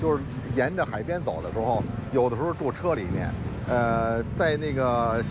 ที่ยังคงเป็นคอยวิธีที่เกาะ๓๙๓๐๐๐บาท